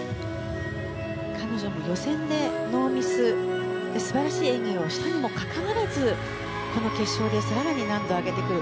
彼女は予選でノーミスで素晴らしい演技をしたにもかかわらずこの決勝で更に難度を上げてくる。